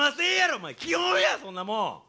お前基本やそんなもん！